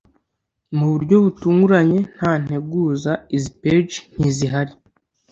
mu buryo butunguranye, nta nteguza, izi page ntizihari